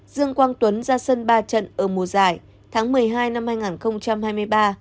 dương quang tuấn ra sân ba trận ở mùa giải tháng một mươi hai năm hai nghìn hai mươi ba